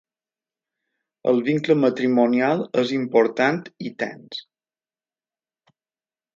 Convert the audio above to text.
El vincle matrimonial és important i tens.